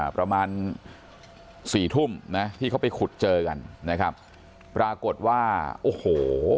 ประมาณสี่ทุ่มนะที่เขาไปขุดเจอกันนะครับปรากฏว่าโอ้โห